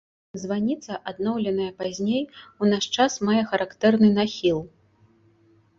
Званіца, адноўленая пазней, у наш час мае характэрны нахіл.